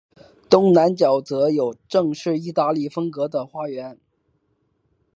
东南角则有正式意大利风格的花园。